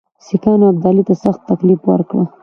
سیکهانو ابدالي ته سخت تکلیف ورکړ.